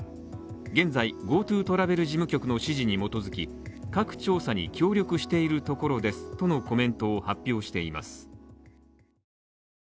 現在、ＧｏＴｏトラベル事務局の指示に基づき、各調査に協力しているところですとのコメントを発表しています。